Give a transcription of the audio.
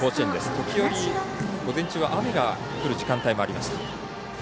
時折、午前中は雨が降る時間帯もありました。